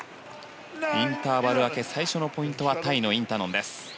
インターバル明け最初のポイントはタイのインタノンです。